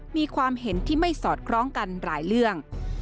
มีความเห็นที่ไม่สอดคล้องกันหลายเรื่อง